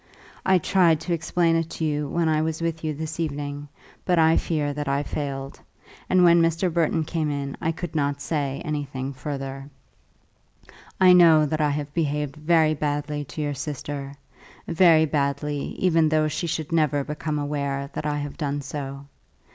I tried to explain it to you when I was with you this evening, but I fear that I failed; and when Mr. Burton came in I could not say anything further. I know that I have behaved very badly to your sister, very badly, even though she should never become aware that I have done so.